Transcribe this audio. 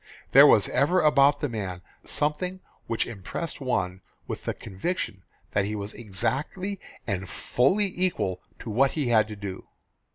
There was ever about the man something which impressed one with the conviction that he was exactly and fully equal to what he had to do.